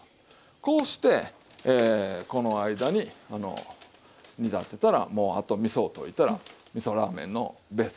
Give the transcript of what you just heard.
こうしてこの間に煮立ってたらもうあとみそを溶いたらみそラーメンのベースができる。